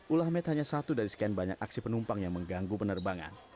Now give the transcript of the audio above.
ulah med hanya satu dari sekian banyak aksi penumpang yang mengganggu penerbangan